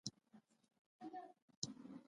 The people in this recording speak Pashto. ما ورته وویل: ته خو بیخي ډېر بوخت ښکارې.